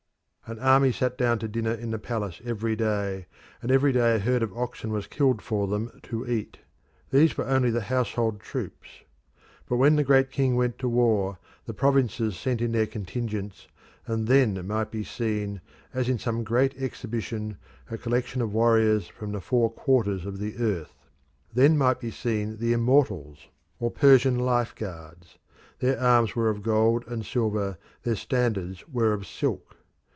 An army sat down to dinner in the palace every day, and every day a herd of oxen was killed for them to eat. These were only the household troops. But when the Great King went to war, the provinces sent in their contingents, and then might be seen, as in some great exhibition, a collection of warriors from the four quarters of the earth. Then might be seen the Immortals, or Persian life guards; their arms were of gold and silver, their standards were of silk.